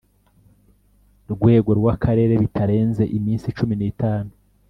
rwego rw Akarere bitarenze iminsi cumi n itanu